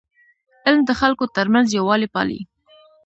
علم د خلکو ترمنځ یووالی پالي.